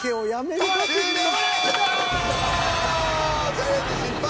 チャレンジ失敗。